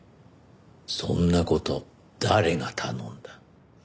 そんな事誰が頼んだ？